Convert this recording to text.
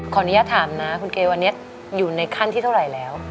ขออนุญาตถามนะคุณเกวันนี้อยู่ในขั้นที่เท่าไหร่แล้ว